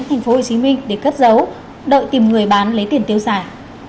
thành phố hồ chí minh để cất dấu đợi tìm người bán lấy tiền tiêu xài